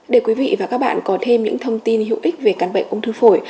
để quý vị và các bạn có thêm những thông tin hữu ích về căn bệnh ung thư phổi